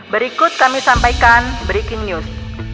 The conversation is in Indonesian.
berikut kami sampaikan breaking news